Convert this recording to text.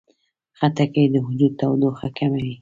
خټکی د وجود تودوخه کموي.